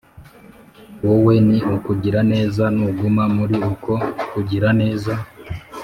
Wowe ni ukugira neza nuguma muri uko kugira neza